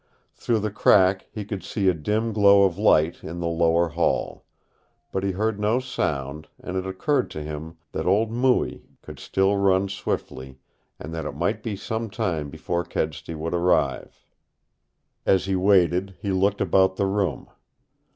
Through the crack he could see a dim glow of light in the lower hall. But he heard no sound, and it occurred to him that old Mooie could still run swiftly, and that it might be some time before Kedsty would arrive. As he waited, he looked about the room.